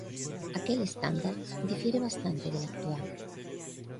Aquel estándar difiere bastante del actual.